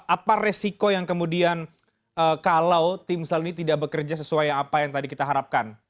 apa resiko yang kemudian kalau timsel ini tidak bekerja sesuai apa yang tadi kita harapkan